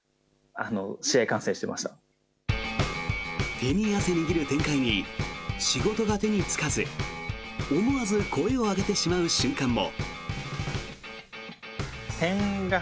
手に汗握る展開に仕事が手につかず思わず声を上げてしまう瞬間も。